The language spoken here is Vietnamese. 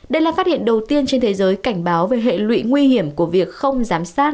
đây là phát hiện đầu tiên trên thế giới cảnh báo về hệ lụy nguy hiểm của việc không giám sát